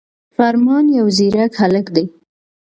فرمان يو ځيرک هلک دی